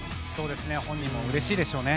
本人もうれしいでしょうね。